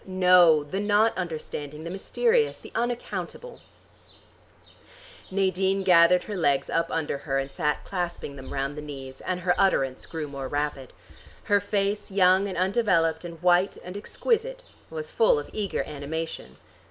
"No. The not understanding, the mysterious, the unaccountable " Nadine gathered her legs up under her and sat clasping them round the knees, and her utterance grew more rapid. Her face, young and undeveloped, and white and exquisite, was full of eager animation.